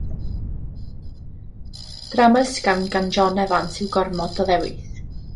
Drama ysgafn gan John Evans yw Gormod o Ddewis.